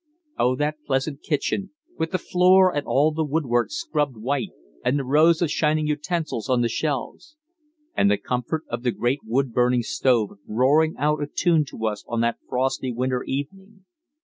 Oh, that pleasant kitchen, with the floor and all the woodwork scrubbed white and the rows of shining utensils on the shelves! And the comfort of the great wood burning stove roaring out a tune to us on that frosty winter evening!